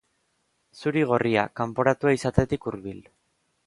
Zuri-gorria, kanporatua izatetik hurbil.